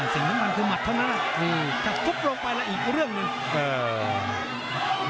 สิ่งสำคัญคือหมัดเท่านั้นแต่ทุบลงไปละอีกเรื่องหนึ่ง